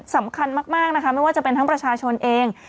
สำคัญมากนะคะไม่ว่าจะเป็นทั้งประชาชนเอง